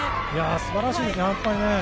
素晴らしいですね。